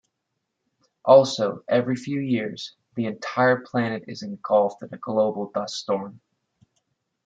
Also, every few years, the entire planet is engulfed in a global dust storm.